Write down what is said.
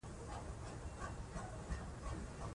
موږ له کلونو راهیسې په دې اړه بحث کوو.